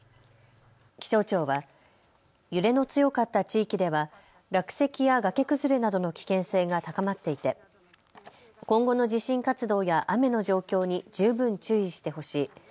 気象庁は揺れの強かった地域では落石や崖崩れなどの危険性が高まっていて今後の地震活動や雨の状況に十分注意してほしい。